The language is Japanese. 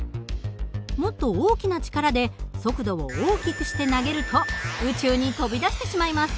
もっと大きな力で速度を大きくして投げると宇宙に飛び出してしまいます。